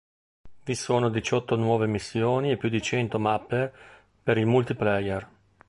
Vi sono diciotto nuove missioni e più di cento mappe per il multiplayer.